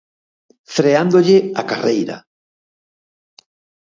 Freándolle a carreira.